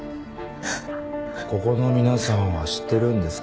ここの皆さんは知ってるんですか？